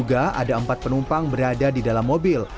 kecelakaan yang menjelaskan terjadi di dalam mobil